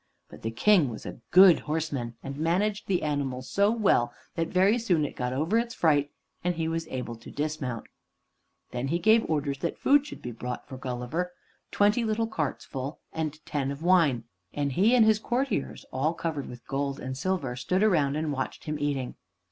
But the King was a good horseman, and managed the animal so well that very soon it got over its fright, and he was able to dismount. Then he gave orders that food should be brought for Gulliver, twenty little carts full, and ten of wine; and he and his courtiers, all covered with gold and silver, stood around and watched him eating.